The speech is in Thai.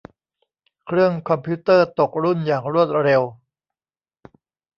เครื่องคอมพิวเตอร์ตกรุ่นอย่างรวดเร็ว